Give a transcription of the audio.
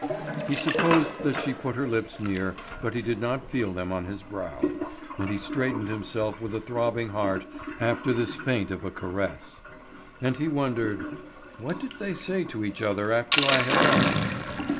He supposed that she put her lips near but he did not feel them on his brow, and he straightened himself with a throbbing heart after this feint of a caress. And he wondered: "What did they say to each other after I had left?"